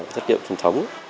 chất liệu truyền thống